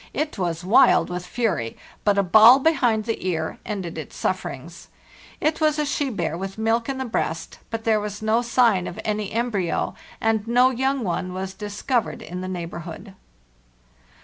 It was wild with fury, but a ball behind the ear ended its sufferings. It was a she bear with milk in the breast; but there was no sign of any embryo, and no young one was discovered in the neighborhood.